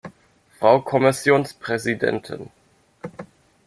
Frau Kommissionspräsidentin!